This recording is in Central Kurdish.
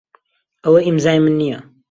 ئەوە ئیمزای من نییە.